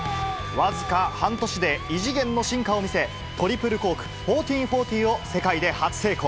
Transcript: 僅か半年で異次元の進化を見せ、トリプルコーク１４４０を世界で初成功。